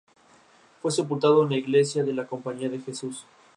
Fue sepultado en la iglesia de la Compañía de Jesús.